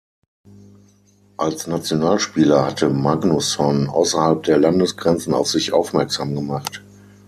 Als Nationalspieler hatte Magnusson außerhalb der Landesgrenzen auf sich aufmerksam gemacht.